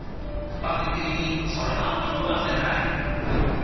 番組的にそりゃあ見逃せない。